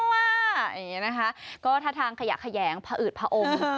อย่างนี้นะคะก็ท่าทางขยะแขยงพออืดผอม